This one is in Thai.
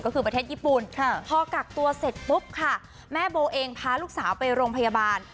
ก็คือประเทศญี่ปุ่นพอกักตัวเสร็จปุ๊บค่ะแม่โบเองพาลูกสาวไปโรงพยาบาล